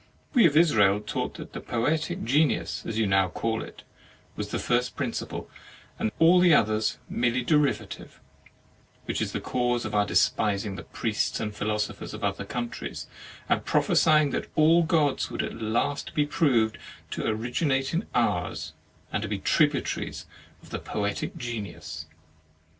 We of Israel taught that the Poetic Genius (as you now call it) was the first principle, and all the others merely derivative, which was the cause of our despising the Priests and Philosophers of other countries, and prophesying that all Gods would at last be proved to origi nate in ours, and to be the tributaries of the Poetic Genius.